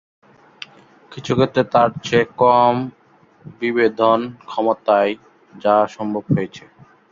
কিছু ক্ষেত্রে তার চেয়ে কম বিভেদনক্ষমতায় যাওয়া সম্ভব হয়েছে।